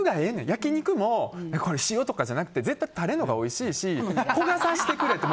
焼き肉も、これ塩とかじゃなくて絶対タレのほうがおいしいし焦がさせてくれって。